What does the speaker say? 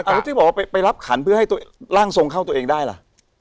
แล้วที่บอกว่าไปรับขันเพื่อให้ร่างทรงเข้าตัวเองได้ล่ะ